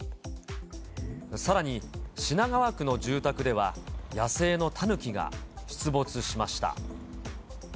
さらに、品川区の住宅では、野生のタヌキが出没しました。